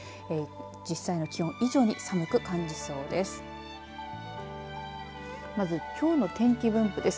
実際の気温以上に寒く感じそうです。